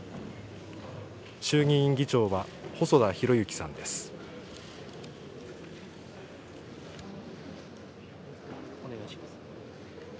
衆議院議長は、細田博之さんです。